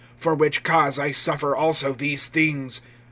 (12)For which cause I suffer also these things.